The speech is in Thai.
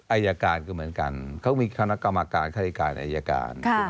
อายการก็เหมือนกันเขามีคณะกรรมการฆาติการอายการ